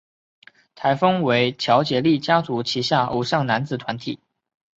台风为乔杰立家族旗下偶像男子团体。